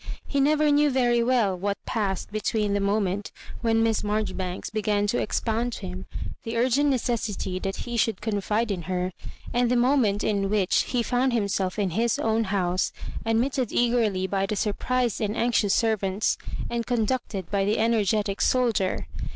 He never knew very well what passed between the moment when Miss Maijoribanks began to expound to him the argent necessity that he should confide in her, and the moment in which he found himself in his own house, admitted eagerly by the surprised and anxious servants, and conducted by the energetic soldier.